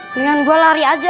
biarin gua lari aja